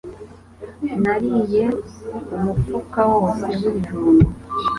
Nariye umufuka wose wibijumba.